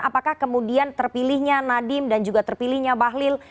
apakah kemudian terpilihnya nadiem dan juga terpilihnya bahlil